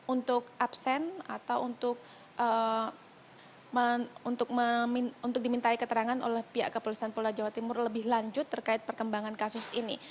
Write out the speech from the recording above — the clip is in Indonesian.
untuk absen atau untuk dimintai keterangan oleh pihak kepolisian pulau jawa timur lebih lanjut terkait perkembangan kasus ini